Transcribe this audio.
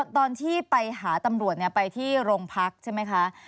ตอนที่ไปหาตำรวจไปที่โรงพักใช่ไหมคะ